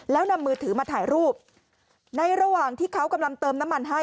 แล้วนำมือถือมาถ่ายรูปในระหว่างที่เขากำลังเติมน้ำมันให้